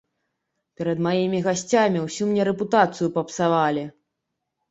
Перад маімі гасцямі ўсю мне рэпутацыю папсавалі.